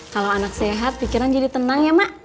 kalau anak sehat pikiran jadi tenang ya mak